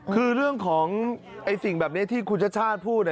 คือเรื่องของสิ่งแบบนี้ที่คุณชาติชาติพูด